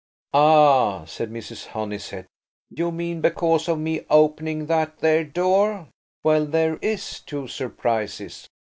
"Ah," said Mrs. Honeysett, "you mean because of me opening that there door. Well, there is two surprises.